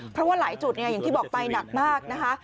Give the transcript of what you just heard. เพราะว่าหลายจุดอย่างที่บอกไปหนักมากนะคะ